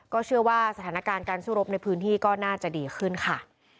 เชื่อว่าสถานการณ์การสู้รบในพื้นที่ก็น่าจะดีขึ้นค่ะ